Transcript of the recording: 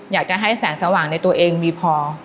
อยากจะให้แสงสว่างในตัวเองมีพอ